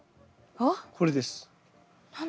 これです。